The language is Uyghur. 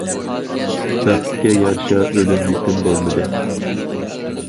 بەختكە يارىشا ئۆلۈم- يېتىم بولمىدى.